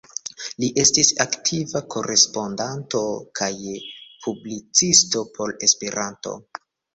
Li estis aktiva korespondanto kaj publicisto por Esperanto.